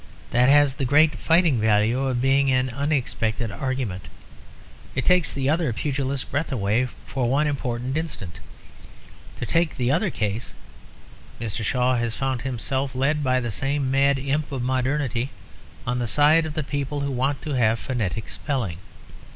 That has the great fighting value of being an unexpected argument; it takes the other pugilist's breath away for one important instant. To take the other case, Mr. Shaw has found himself, led by the same mad imp of modernity, on the side of the people who want to have phonetic spelling.